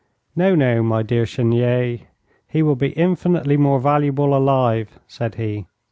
'No, no, my dear Chenier, he will be infinitely more valuable alive,' said he.